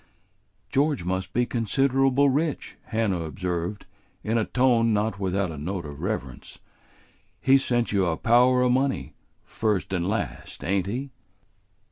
"George must be considerable rich," Hannah observed, in a tone not without a note of reverence; "he's sent you a power o' money, first and last, ain't he?"